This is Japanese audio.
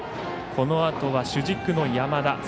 このあとは主軸の山田。